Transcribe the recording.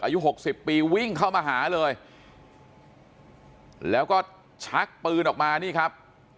หกสิบปีวิ่งเข้ามาหาเลยแล้วก็ชักปืนออกมานี่ครับ